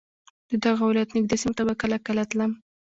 د دغه ولایت نږدې سیمو ته به کله کله تلم.